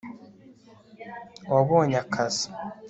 wabonye akazi